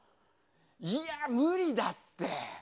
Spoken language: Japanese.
いやー、無理だって。